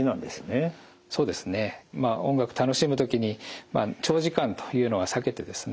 そうですね音楽楽しむ時に長時間というのは避けてですね